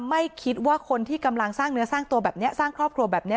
ไม่คิดว่าคนที่กำลังสร้างเนื้อสร้างตัวแบบนี้สร้างครอบครัวแบบนี้